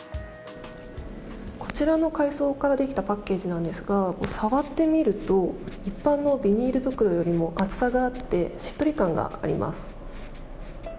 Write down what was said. こちらの海藻からできたパッケージなんですが触ってみると一般のビニール袋よりも厚さがあってしっとり感があります。